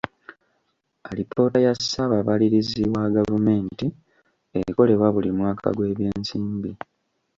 Alipoota ya ssaababalirizi wa gavumenti ekolebwa buli mwaka gw'ebyensimbi.